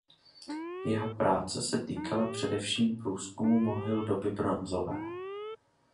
Jeho práce se týkala především průzkumu mohyl doby bronzové.